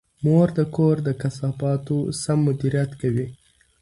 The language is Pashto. مور د کور د کثافاتو سم مدیریت کوي.